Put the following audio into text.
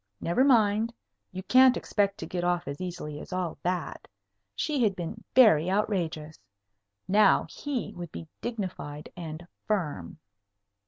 Never mind. You can't expect to get off as easily as all that. She had been very outrageous. Now he would be dignified and firm.